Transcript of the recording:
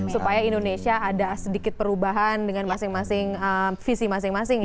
supaya indonesia ada sedikit perubahan dengan masing masing visi masing masing